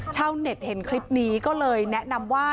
ชาวเน็ตเห็นคลิปนี้ก็เลยแนะนำว่า